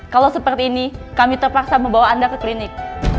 kalau seperti ini kami terpaksa membawa anda ke klinik